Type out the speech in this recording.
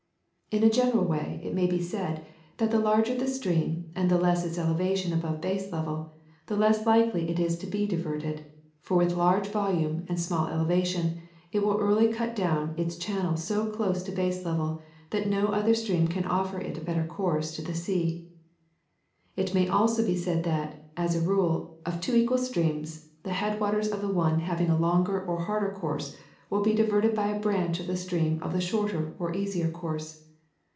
In general it may be said that the larger the stream and the less its elevation above base level, the less likely is it to be diverted, for with large volume and small elevation it will early cut down its channel so close to baselevel that no other stream can offer it a better course to the sea ; it may also be said that, as a rule, of two equal streams, the headwaters of the one having a longer or a harder course will be diverted by a branch of the stream on the shorter or easier course.